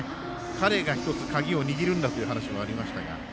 彼が１つ、鍵を握るんだという話がありましたが。